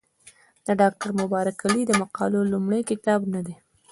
دا د ډاکټر مبارک علي د مقالو لومړی کتاب نه دی.